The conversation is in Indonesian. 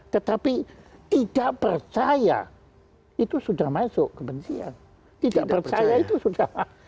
tetapi tidak percaya itu sudah masuk kebencian